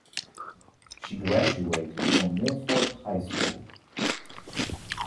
She graduated from Milford High School.